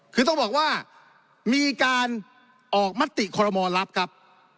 คือต้องบอกว่ามีการออกมัตติขอรมณ์ลับ